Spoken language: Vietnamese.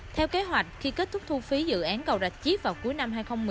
theo kế hoạch khi kết thúc thu phí dự án cầu rạch chiếc vào cuối năm hai nghìn một mươi